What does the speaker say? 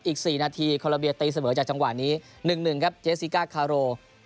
อีก๔นาทีโคลัมเบียตีเสมอจากจังหวะนี้๑๑ครับเจสซิก้าคาโร